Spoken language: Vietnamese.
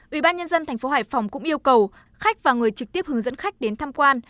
ủy ban nhân dân tp hải phòng cũng yêu cầu khách và người trực tiếp hướng dẫn khách đến tham quan